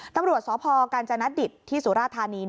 ตำรวจสพกาญจนดิตที่สุราธานี